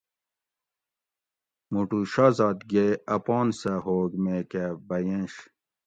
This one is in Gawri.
موٹو شازادگے اپان سہ ہوگ میکہ بئینش